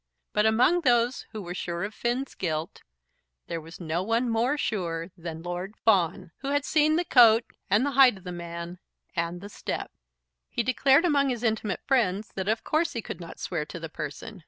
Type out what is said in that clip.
But, among those who were sure of Finn's guilt, there was no one more sure than Lord Fawn, who had seen the coat and the height of the man, and the step. He declared among his intimate friends that of course he could not swear to the person.